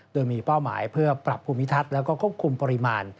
โดยมีเป้าหมายเพื่อปรับภูมิทัศน์แล้วก็ควบคุมปริมาณ